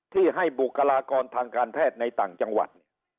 ที่ให้บุคลากรทางการแพทย์ในต่างจังหวัดเนี่ย